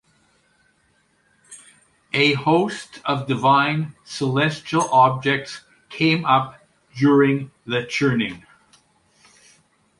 A host of divine celestial objects came up during the churning.